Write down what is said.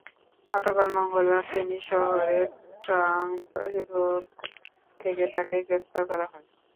গতকাল মঙ্গলবার ফেনী শহরের ট্রাংক রোড থেকে তাঁকে গ্রেপ্তার করা হয়।